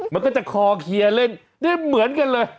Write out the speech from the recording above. มันก็จะคอเคลียร์เล่นได้เหมือนกันเลย